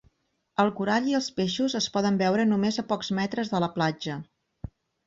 El corall i els peixos es poden veure només a pocs metres de la platja.